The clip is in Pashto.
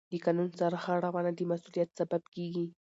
د قانون سرغړونه د مسؤلیت سبب کېږي.